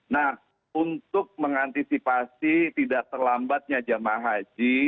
nah untuk mengantisipasi tidak terlambatnya jemaah haji